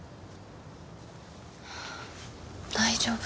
大丈夫。